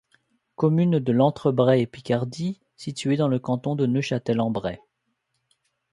Commune de l'Entre-Bray-et-Picardie située dans le canton de Neufchâtel-en-Bray.